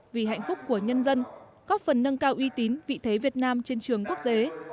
vì hạnh phúc của nhân dân góp phần nâng cao uy tín vị thế việt nam trên trường quốc tế